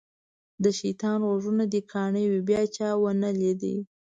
د شیطان غوږونه دې کاڼه وي بیا چا ونه لید.